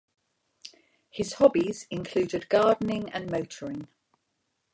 His hobbies included gardening and motoring.